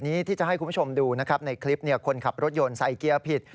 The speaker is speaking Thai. ในคลิปคนขับรถยนต์สายเกียร์ผิด